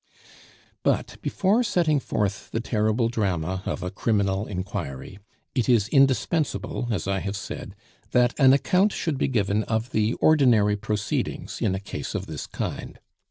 But before setting forth the terrible drama of a criminal inquiry, it is indispensable, as I have said, that an account should be given of the ordinary proceedings in a case of this kind.